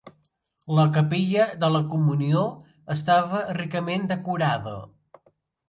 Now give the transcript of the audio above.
La capella de la Comunió estava ricament decorada.